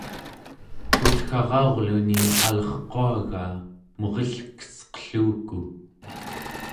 tutgara'urluni alerquagaa murilkesqelluku